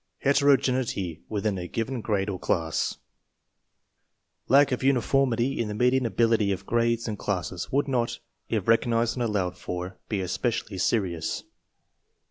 HETEROGENEITY WITHIN A GIVEN GRADE OR CLASS Lack of uniformity in the median ability of grades and classes would not, if recognized and allowed for, be especially serious.